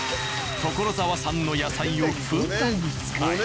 所沢産の野菜をふんだんに使い。